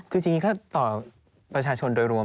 คือจริงก็ต่อประชาชนโดยรวม